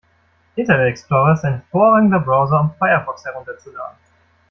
Internet Explorer ist ein hervorragender Browser, um Firefox herunterzuladen.